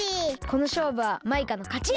このしょうぶはマイカのかち！